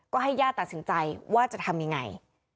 ก็ให้ญาติตัดสินใจว่าจะทำยังไง